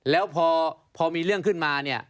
แล้วพอมีเรื่องขึ้นมา